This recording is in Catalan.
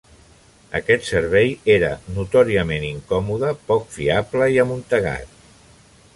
Aquest servei era notòriament incòmode, poc fiable i amuntegat.